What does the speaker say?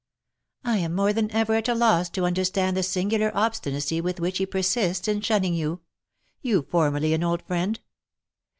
"I am more than ever at a loss to understand the singular obstinacy with which he persists in shunning you, you, formerly an old friend.